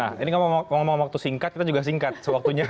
nah ini ngomong waktu singkat kita juga singkat sewaktunya